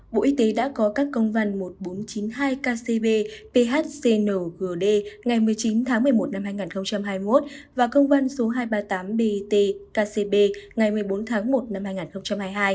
bộ y tế đã có các công văn một nghìn bốn trăm chín mươi hai kcb phcngd ngày một mươi chín tháng một mươi một năm hai nghìn hai mươi một và công văn số hai trăm ba mươi tám bt kcb ngày một mươi bốn tháng một năm hai nghìn hai mươi hai